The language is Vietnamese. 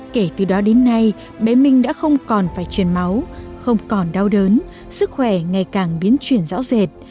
kể từ đó đến nay bé minh đã không còn phải truyền máu không còn đau đớn sức khỏe ngày càng biến chuyển rõ rệt